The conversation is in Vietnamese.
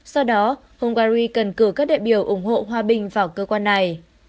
sau đó hungary cần cử các đại biểu ủng hộ hòa bình vào cơ quan này